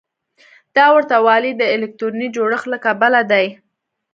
دا ورته والی د الکتروني جوړښت له کبله دی.